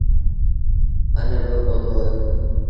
اَن با ڪوندو هوئي۔